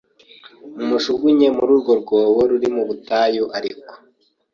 mumujugunye muri uru rwobo ruri mu butayu ariko